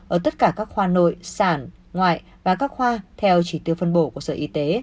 ở tất cả các khoa nội sản ngoại và các khoa theo chỉ tiêu phân bổ của sở y tế